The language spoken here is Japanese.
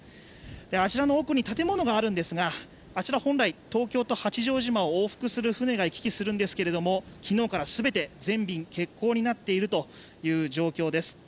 あちらの奥に建物があるんですがあちら本来、東京都八丈島を往復する船が行き来するんですけれども昨日から全て全便欠航になっているという状況です。